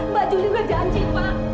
mbak julie udah janji pak